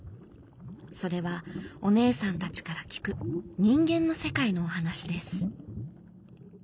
それはお姉さんたちから聞く人間の世界のお話です。